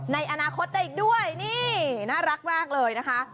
ในอนาคตได้อีกด้วยนี่น่ารักมากเลยนะคะ